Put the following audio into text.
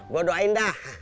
gue doain dah